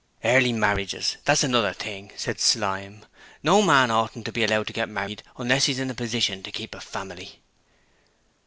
'Early marriages is another thing,' said Slyme: 'no man oughtn't to be allowed to get married unless he's in a position to keep a family.'